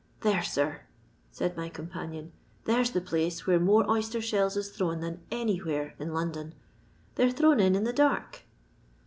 "There, sir," said my companion, *' there's the place where more oyster shells is thrown than anywhere in London. They're thrown in in the dark."